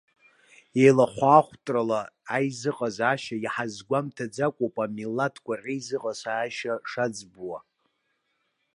Еилахәаахәҭрала аизыҟазаашьа, иҳазгәамҭаӡакәоуп амилаҭқәа реизыҟазаашьа шаӡбуа.